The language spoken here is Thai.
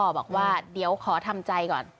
บอกว่าเดี๋ยวขอทำใจก่อน